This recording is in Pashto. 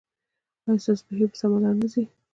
ایا ستاسو پښې په سمه لار نه ځي؟